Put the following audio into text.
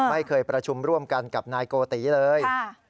ไม่เคยประชุมร่วมกันกับนายโกติเลย